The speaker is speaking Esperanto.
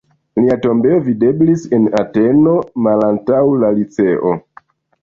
Lia tombejo videblis en Ateno, malantaŭ la Liceo.